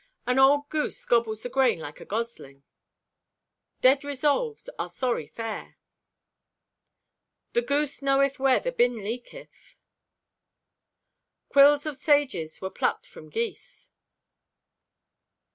"An old goose gobbles the grain like a gosling." "Dead resolves are sorry fare." "The goose knoweth where the bin leaketh." "Quills of sages were plucked from geese."